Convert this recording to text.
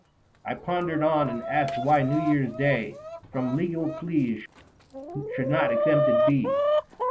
I pondered on and asked why New Year's day From legal pleas should not exempted be